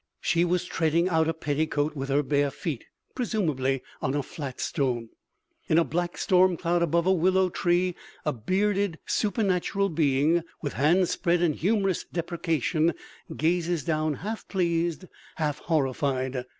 She was treading out a petticoat with her bare feet, presumably on a flat stone. In a black storm cloud above a willow tree a bearded supernatural being, with hands spread in humorous deprecation, gazes down half pleased, half horrified.